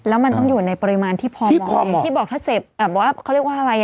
แล้วมันต้องอยู่ในปริมาณที่พอหมอเองที่บอกว่าเขาเรียกว่าอะไร